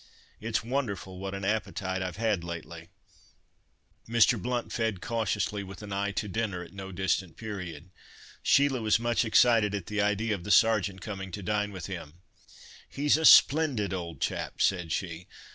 It's wonderful what an appetite I've had lately." Mr. Blount fed cautiously, with an eye to dinner at no distant period. Sheila was much excited at the idea of the Sergeant coming to dine with him. "He's a splendid old chap," said she.